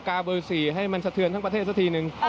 การ์ดเบอร์๔ให้มันเสถือนทั้งประเทศสักทีหนึ่ง